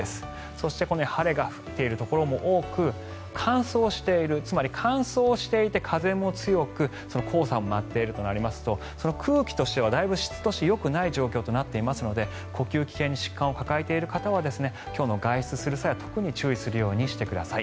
そして晴れているところも多く乾燥しているつまり乾燥していて風も強く黄砂も舞っているとなりますと空気としてはだいぶ、質としてよくない状況となっていますので呼吸器系に疾患を抱えている方は今日外出する際は、特に注意するようにしてください。